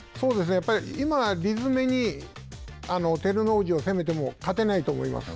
やっぱり今理詰めに照ノ富士を攻めても勝てないと思います。